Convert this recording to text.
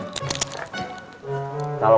jangan gitu atu